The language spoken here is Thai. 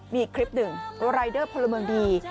มีอีกคลิปหนึ่งรายเดอร์พลเมืองดี